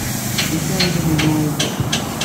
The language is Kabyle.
Maci i yiman-inu ay lliɣ.